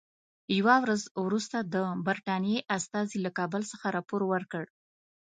یوه ورځ وروسته د برټانیې استازي له کابل څخه راپور ورکړ.